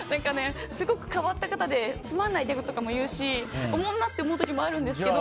すごく変わった方で詰まんないギャグとかも言うしおもんない時もあるんですけど。